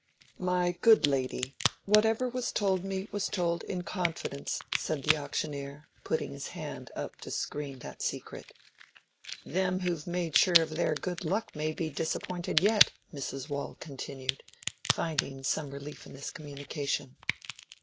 "My good lady, whatever was told me was told in confidence," said the auctioneer, putting his hand up to screen that secret. "Them who've made sure of their good luck may be disappointed yet," Mrs. Waule continued, finding some relief in this communication.